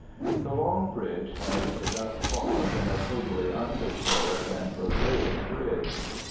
The Long Bridge has thus far been a totally unhistoric and prosaic bridge.